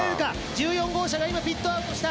１４号車が今ピットアウトした！